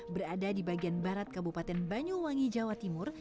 berada di bagian barat kabupaten banyuwangi jawa timur